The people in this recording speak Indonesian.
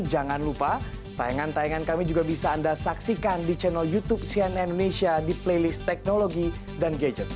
jangan lupa tayangan tayangan kami juga bisa anda saksikan di channel youtube cnn indonesia di playlist teknologi dan gadget